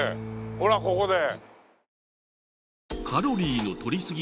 ほらここで。